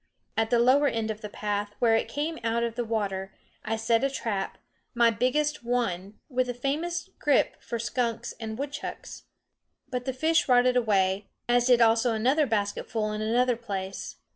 At the lower end of the path, where it came out of the water, I set a trap, my biggest one, with a famous grip for skunks and woodchucks. But the fish rotted away, as did also another basketful in another place.